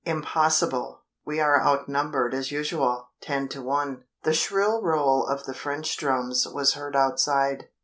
"Impossible! We are outnumbered as usual ten to one." The shrill roll of the French drums was heard outside.